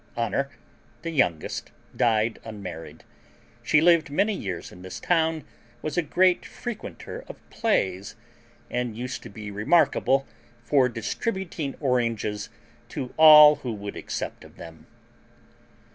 Honour, the youngest, died unmarried: she lived many years in this town, was a great frequenter of plays, and used to be remarkable for distributing oranges to all who would accept of them.